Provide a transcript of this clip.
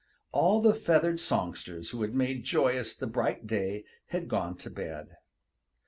All the feathered songsters who had made joyous the bright day had gone to bed.